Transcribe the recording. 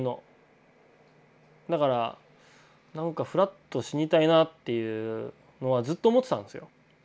だからなんかふらっと死にたいなっていうのはずっと思ってたんですよ。